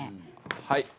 はい。